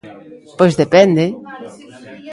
Pois depende!